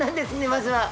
まずは。